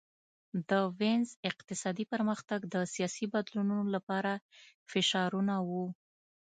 د وینز اقتصادي پرمختګ د سیاسي بدلونونو لپاره فشارونه وو